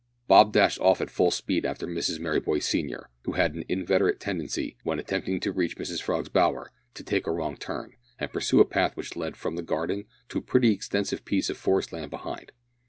Bob dashed off at full speed after Mrs Merryboy, senior, who had an inveterate tendency, when attempting to reach Mrs Frog's bower, to take a wrong turn, and pursue a path which led from the garden to a pretty extensive piece of forest land behind.